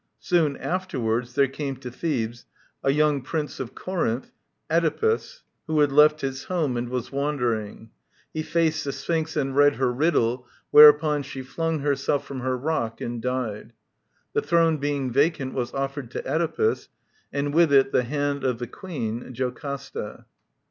Soon afterwards there came to Thebes a young Prince of Corinth, Oedipus, who had left his home and was wandering. He faced the Sphinx and read her riddle, whereupon she flung herself from her rock and died. The throne being vacant was offered to Oedipus, and with it the hand of the Queen, Joe AST A.